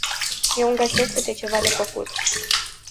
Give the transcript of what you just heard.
Eu îmi găsesc câte ceva de făcut.